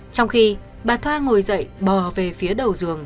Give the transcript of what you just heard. trong khi bà thoa ngồi dậy bò về phía đầu giường